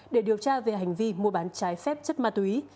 để điều tra về hành vi mua bán trái phép chất ma túy